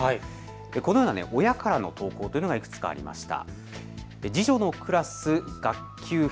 このような親からの投稿というのがいくつかありました。